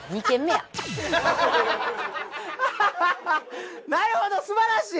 アハハハなるほどすばらしい！